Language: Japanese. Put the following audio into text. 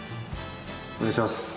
お願いします。